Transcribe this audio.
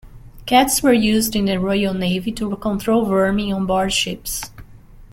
Cats were used in the Royal Navy to control vermin on board ships.